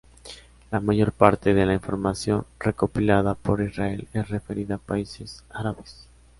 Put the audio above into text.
La mayor parte de la información recopilada por Israel es referida a países árabes.